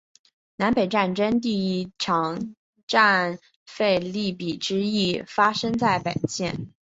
南北战争第一场陆战腓立比之役发生在本县。